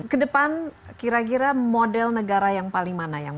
kedepan kira kira model negara yang paling mana yang